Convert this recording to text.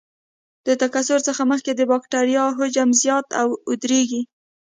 د تکثر څخه مخکې د بکټریا حجم زیات او اوږدیږي.